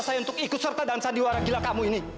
saya untuk ikut serta dalam sandiwara gila kamu ini